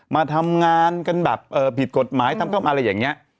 มาทำงานกันแบบผิดกฎหมายทำเข้ามาอะไรอย่างนี้